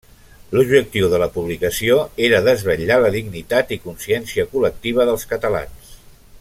L'objectiu de la publicació era desvetllar la dignitat i consciència col·lectiva dels catalans.